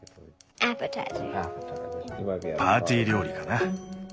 パーティー料理かな。